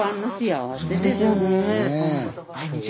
はい。